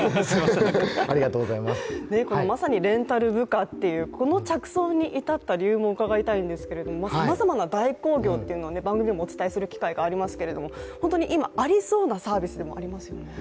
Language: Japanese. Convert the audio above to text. まさに「レンタル部下」というこの着想に至った理由も伺いたいんですけどさまざまな代行業を番組でもお伝えする機会がありますけど本当に今、ありそうなサービスでもありますよね。